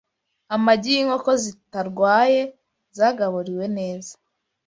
amagi y’inkoko zitarwaye zagaburiwe neza